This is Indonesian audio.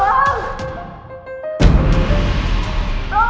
gue gak mau